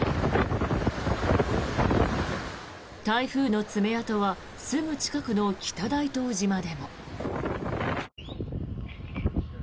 台風の爪痕はすぐ近くの北大東島でも。